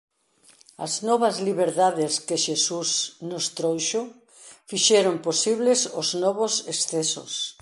As novas liberdades que Xesús nos trouxo fixeron posibles os novos excesos.